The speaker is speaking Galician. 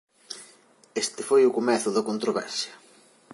Este foi o comezo da controversia.